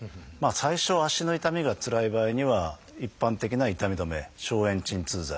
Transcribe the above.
最初足の痛みがつらい場合には一般的な痛み止め消炎鎮痛剤。